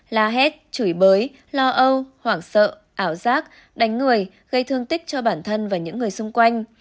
la hét chửi bới lo âu hoảng sợ ảo giác đánh người gây thương tích cho bản thân và những người xung quanh